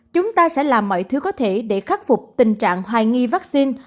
chúng ta sẽ làm mọi thứ có thể để khắc phục tình trạng hoài nghi vaccine